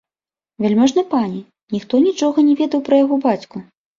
Вяльможны пане, ніхто нічога не ведаў пра яго бацьку.